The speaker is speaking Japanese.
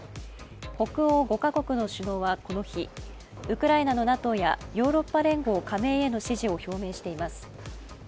北欧５か国の首脳はこの日、ウクライナのＮＡＴＯやヨーロッパ連合加盟への支持を表明しています。